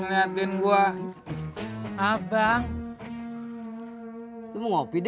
nggak boleh gitu atu jak